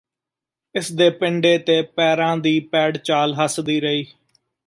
ਇਸਦੇ ਪਿੰਡੇ ਤੇ ਪੈਰਾਂ ਦੀ ਪੈੜਚਾਲ ਹਸਦੀ ਰਹੀ